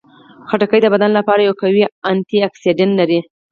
خټکی د بدن لپاره یو قوي انټياکسیدان لري.